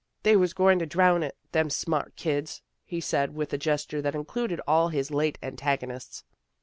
" They was going to drown it, them smart kids," he said with a gesture that included all his late antagonists.